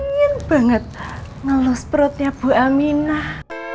ingin banget ngelus perutnya bu aminah